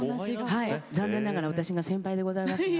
残念ながら私が先輩でございますが。